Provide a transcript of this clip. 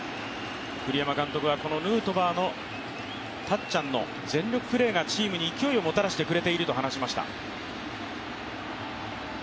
栗山監督はこのヌートバー、たっちゃんの全力プレーがチームに勢いをもたらしてくれていると話しました。